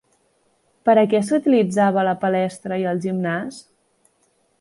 Per a què s'utilitzava la palestra i el gimnàs?